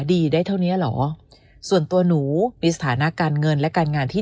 ดีได้เท่านี้เหรอส่วนตัวหนูมีสถานะการเงินและการงานที่